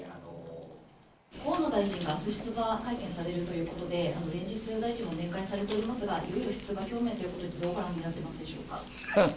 河野大臣があす出馬会見されるということで、連日、大臣も面会されておりますが、いよいよ出馬表明ということで、どうご覧になっていますでしょうか。